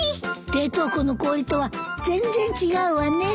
冷凍庫の氷とは全然違うわね。